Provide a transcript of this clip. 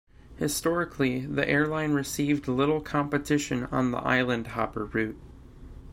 Historically the airline received little competition on the "island-hopper" route.